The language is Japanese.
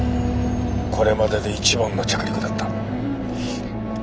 これまでで一番の着陸だった。